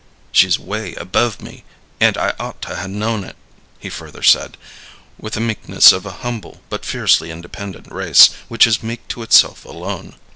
"She's 'way above me, and I ought to ha' known it," he further said, with the meekness of an humble but fiercely independent race, which is meek to itself alone.